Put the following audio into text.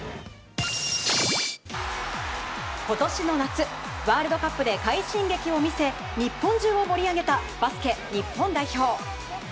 今年の夏、ワールドカップで快進撃を見せ日本中を盛り上げたバスケ日本代表。